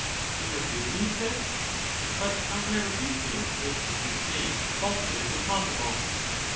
Do you refute me? he said. But how can I refute you, if. as you say, falsehood is impossible